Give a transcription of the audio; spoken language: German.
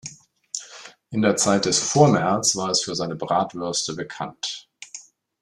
In der Zeit des Vormärz war es für seine Bratwürste bekannt.